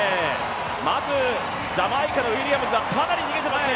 まずジャマイカのウィリアムズはかなり逃げていますね。